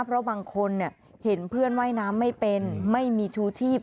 เพราะบางคนเห็นเพื่อนว่ายน้ำไม่เป็นไม่มีชูชีพ